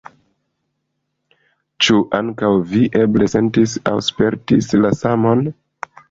Ĉu ankaŭ vi eble sentis aŭ spertis la samon?